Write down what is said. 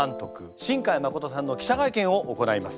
新海誠さんの記者会見を行います。